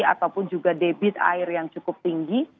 ataupun juga debit air yang cukup tinggi